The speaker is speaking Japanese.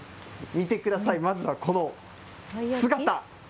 見てください、まずはこの姿。